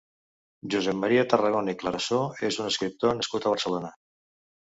Josep Maria Tarragona i Clarasó és un escriptor nascut a Barcelona.